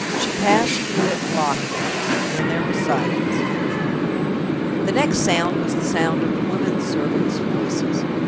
She passed through it, and locked it. Then there was silence. The next sound was the sound of the women servants' voices.